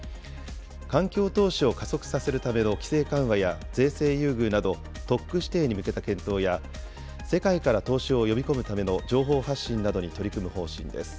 環境投資を加速させるための規制緩和や、税制優遇など、特区指定に向けた検討や、世界から投資を呼び込むための情報発信